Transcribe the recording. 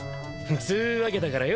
つうわけだからよ